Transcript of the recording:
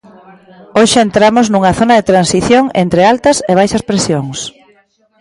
Hoxe entramos nunha zona de transición entre altas e baixas presións.